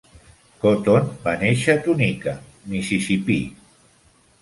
Cotton va néixer a Tunica, Mississipí.